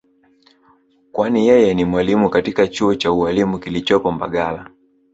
kwani yeye ni mwalimu katika chuo cha ualimu kilichopo mbagala